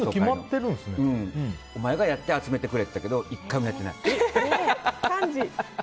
お前がやって集めてくれって言われたけど、１回もやってない。